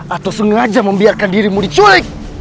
atau sengaja membiarkan dirimu dicuek